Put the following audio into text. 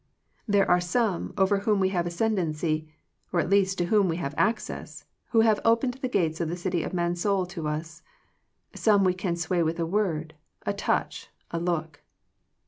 There are some, over whom we have ascendency, or at least to whom we have access, who have opened the gates of the City of Mansoul to us, some we can sway with a word, a touch, a look.